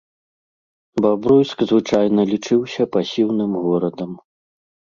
Бабруйск звычайна лічыўся пасіўным горадам.